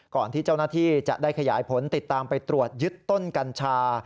ก่อนที่เจ้าหน้าที่จะได้ขยายผลติดตามไปตรวจยึดต้นกัญชา